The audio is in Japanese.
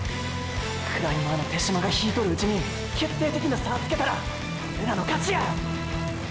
クライマーの手嶋が引いとるうちに決定的な差つけたらオレらの勝ちや！